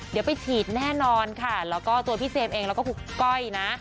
เดี๋ยวไปฉีดแน่นอนค่ะแล้วก็ตัวพี่เจมส์เองแล้วก็คุณก้อยนะ